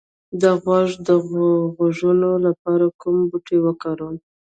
د غوږ د غږونو لپاره کوم بوټی وکاروم؟